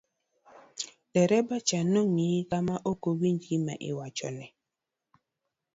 dereba cha nong'iye ka ma ok owinj gima iwachone